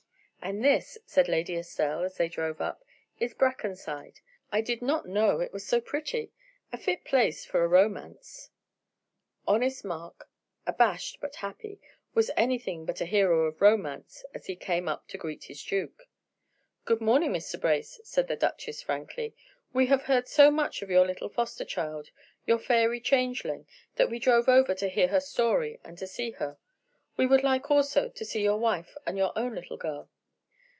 "And this," said Lady Estelle, as they drove up, "is Brackenside. I did not know it was so pretty. A fit place for a romance." Honest Mark, abashed but happy, was anything but a hero of romance as he came up to greet his duke. "Good morning, Mr. Brace," said the duchess, frankly. "We have heard so much of your little foster child, your fairy changeling, that we drove over to hear her story and to see her. We would like, also, to see your wife and your own little girl."